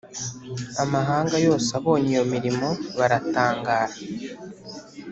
amahanga yose abonye iyo mirimo baratangara